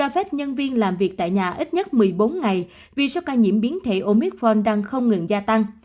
ba phép nhân viên làm việc tại nhà ít nhất một mươi bốn ngày vì số ca nhiễm biến thể omitron đang không ngừng gia tăng